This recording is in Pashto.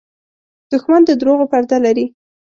دښمن د دروغو پرده لري